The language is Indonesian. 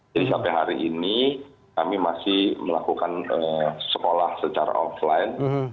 jadi sampai hari ini kami masih melakukan sekolah secara offline